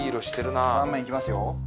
断面いきますよ。